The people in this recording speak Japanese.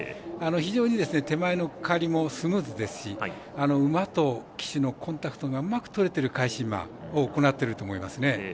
非常に手前のかわりもスムーズですし馬と騎手のコンタクトがうまくとれてる返し馬を行ってると思いますね。